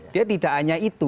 dia tidak hanya itu